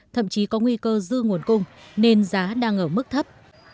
thậm chí có nguy cơ dư nguồn cung nên giá đang ở mức thấp